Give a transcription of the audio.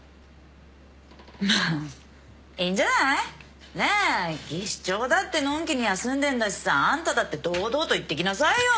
まあいいんじゃない？ねぇ技師長だってのんきに休んでんだしさあんただって堂々と行ってきなさいよ。